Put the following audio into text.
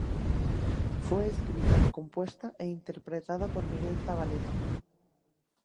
Fue escrita, compuesta e interpretada por Miguel Zavaleta.